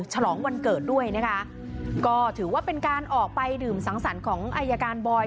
ฉลองวันเกิดด้วยนะคะก็ถือว่าเป็นการออกไปดื่มสังสรรค์ของอายการบอย